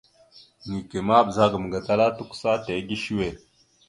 Neke ma ɓəzagaam gatala tʉkəsa tige səwe.